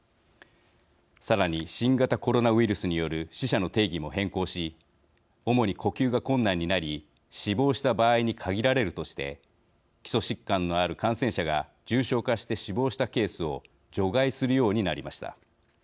さらに新型コロナウイルスによる死者の定義も変更し主に呼吸が困難になり死亡した場合に限られるとして基礎疾患のある感染者が重症化して死亡したケースを除外するようになりました。